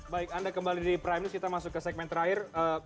baik anda kembali di prime news kita masuk ke segmen terakhir